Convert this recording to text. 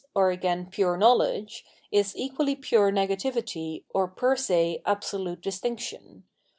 or again pure knowledge, is equally pure negativity or pet se absolute distinction.